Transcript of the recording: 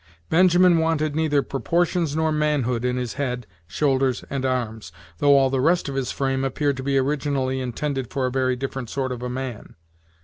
Benjamin wanted neither proportions nor manhood in his head, shoulders, and arms, though all the rest of his frame appeared to be originally intended for a very different sort of a man.